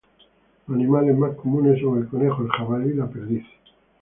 Los animales más comunes son el conejo, el jabalí y la perdiz.